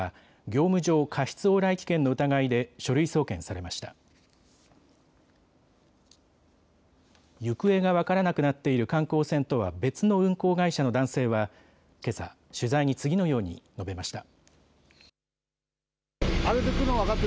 行方が分からなくなっている観光船とは別の運航会社の男性はけさ取材に次のように述べました。